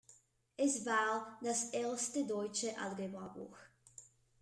Es war das erste deutsche Algebra-Buch.